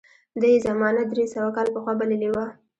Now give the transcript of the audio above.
ده یې زمانه درې سوه کاله پخوا بللې وه.